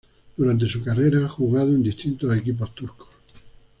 Durante su carrera ha jugado en distintos equipos turcos.